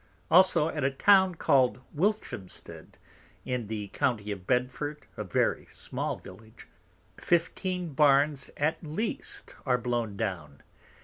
Also at a Town called Wilchamsted in the County of Bedford (a very small Village) fifteen Barns at least are blown down.